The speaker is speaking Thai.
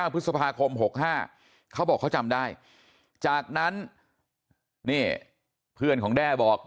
พฤษภาคม๖๕เขาบอกเขาจำได้จากนั้นนี่เพื่อนของแด้บอก